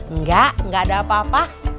enggak enggak ada apa apa